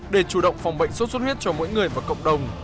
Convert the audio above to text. để chủ động phòng bệnh sốt xuất huyết cho mỗi người và cộng đồng